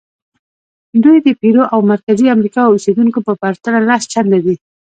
دوی د پیرو او مرکزي امریکا اوسېدونکو په پرتله لس چنده دي.